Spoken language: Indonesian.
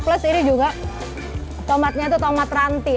plus ini juga tomatnya itu tomat rantai